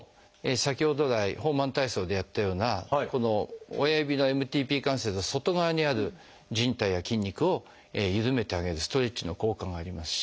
先ほど来ホーマン体操でやったようなこの親指のＭＴＰ関節の外側にあるじん帯や筋肉をゆるめてあげるストレッチの効果がありますし。